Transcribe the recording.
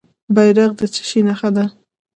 بیرغ د څه شي نښه ده؟